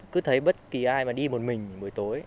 cứ thấy bất kỳ ai mà đi một mình buổi tối